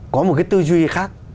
có một cái tư duy khác